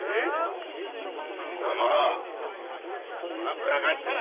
貴様たぶらかしたな！